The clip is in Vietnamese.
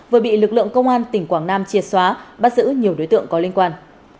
vừa bị lực lượng công an tỉnh quảng nam triệt xóa bắt giữ nhiều đối tượng có liên quan